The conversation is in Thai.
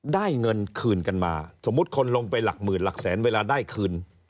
ได้เงินคืนกันมาสมมุติคนลงไปหลักหมื่นหลักแสนเวลาได้คืน